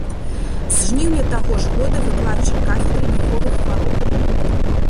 З жніўня таго ж года выкладчык кафедры нервовых хвароб.